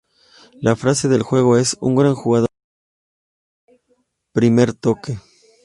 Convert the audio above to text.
La frase del juego es: "Un gran jugador necesita un gran primer toque".